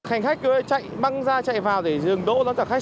khánh khách cứ băng ra chạy vào để dừng đỗ đón trả khách